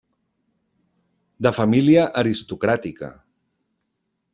De família aristocràtica.